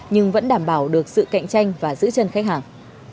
nhưng vẫn đảm bảo được sự cạnh tranh và giữ chân khách hàng